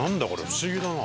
不思議だな。